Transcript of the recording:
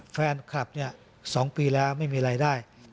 แฟนคลับสองปีแล้วไม่มีไรได้